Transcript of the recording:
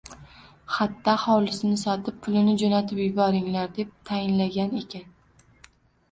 xatda “Hovlisini sotib, pulini jo’natib yuboringlar” deb tayinlagan ekan.